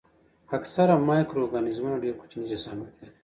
اکثره مایکرو ارګانیزمونه ډېر کوچني جسامت لري.